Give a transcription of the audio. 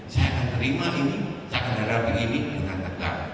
saya akan terima ini saya akan hadapi ini dengan tegak